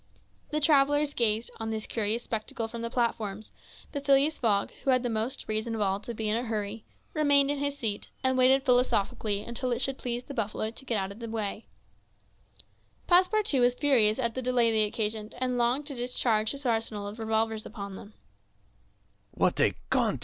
The travellers gazed on this curious spectacle from the platforms; but Phileas Fogg, who had the most reason of all to be in a hurry, remained in his seat, and waited philosophically until it should please the buffaloes to get out of the way. Passepartout was furious at the delay they occasioned, and longed to discharge his arsenal of revolvers upon them.